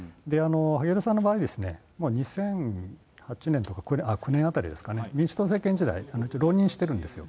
萩生田さんの場合、もう２００８年とか９年あたりですかね、民主党政権時代、浪人してるんですよ。